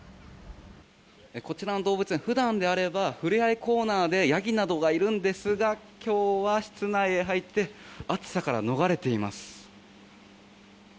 こちらの動物園普段であればふれあいコーナーにヤギなどがいるんですが今日は室内へ入って暑さから逃れています。